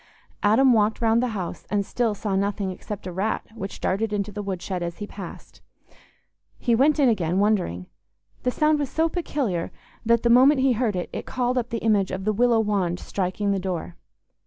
Adam walked round the house, and still saw nothing except a rat which darted into the woodshed as he passed. He went in again, wondering; the sound was so peculiar that the moment he heard it it called up the image of the willow wand striking the door.